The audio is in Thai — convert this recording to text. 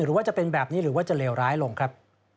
หรือว่าจะเป็นแบบนี้หรือว่าจะเลวร้ายลงครับ